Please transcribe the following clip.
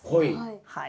はい。